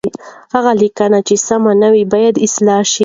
هغه لیکنه چې سم نه وي، باید اصلاح شي.